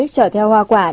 trở theo hoa quảng